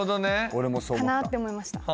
俺もそう思ったかなって思いました